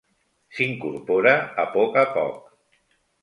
S'incorpora a poc a poc.